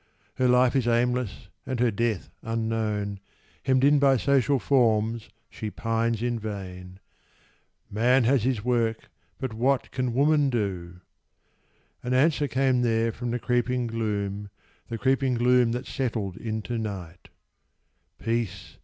Her life is aimless, and her death unknown: Hemmed in by social forms she pines in vain. Man has his work, but what can Woman do?" And answer came there from the creeping gloom, The creeping gloom that settled into night: "Peace!